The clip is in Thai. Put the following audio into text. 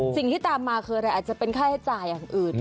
สิ่งที่ตามมาคืออะไรอาจจะเป็นค่าใช้จ่ายอย่างอื่น